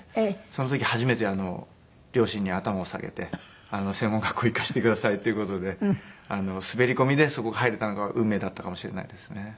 その時初めて両親に頭を下げて専門学校行かせてくださいっていう事で滑り込みでそこに入れたのが運命だったかもしれないですね。